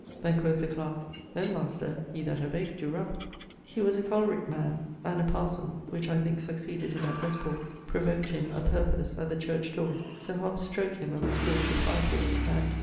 Then quoth the clark, 'Then, master, he tha have ace doe rub.' He a collirice man, and a parson (which I thinke succeeded him at Westport) provoked him (a purpose) at the church doore, soe Hobs stroke him and was forcd to fly for it and